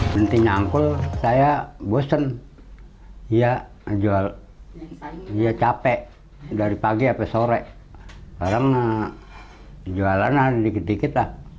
nanti nyangkul saya bosen iya jual dia capek dari pagi sampai sore kadang jualan dikit dikit lah